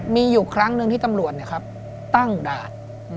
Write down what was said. มีอยู่ครั้งหนึ่งที่ตำรวจตั้งด่าน